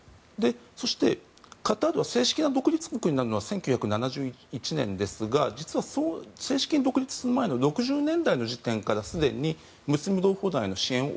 そして、カタールは正式な独立国になるのは１９７１年ですが実は正式に独立する前の６０年代の時点からすでにムスリム同胞団への支援を